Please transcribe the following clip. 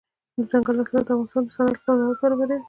دځنګل حاصلات د افغانستان د صنعت لپاره مواد برابروي.